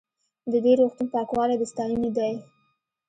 د دې روغتون پاکوالی د ستاینې دی.